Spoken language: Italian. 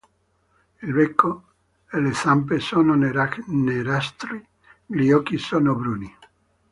Il becco e le zampe sono nerastri, gli occhi sono bruni.